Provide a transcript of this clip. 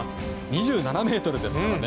２７ｍですからね。